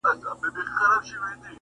کۀ په خپل ځان باندې په خپله دهقانى راغله